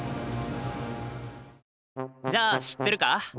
じゃあ知ってるか？